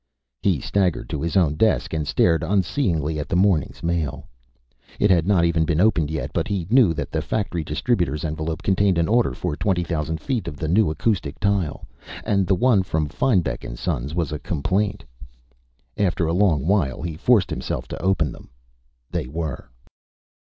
He staggered to his own desk and stared unseeingly at the morning's mail. It had not even been opened yet, but he knew that the Factory Distributors envelope contained an order for twenty thousand feet of the new acoustic tile, and the one from Finebeck & Sons was a complaint. After a long while, he forced himself to open them. They were.